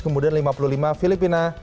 kemudian lima puluh lima filipina